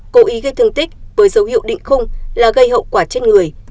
cố ý gây thương tích với dấu hiệu định khung là gây hậu quả chết người